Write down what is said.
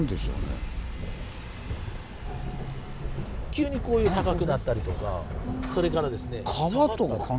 急にこういう高くなったりとかそれから。